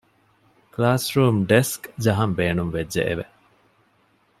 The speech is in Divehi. ކްލާސްރޫމް ޑެސްކް ޖަހަން ބޭނުން ވެއްޖެއެވެ.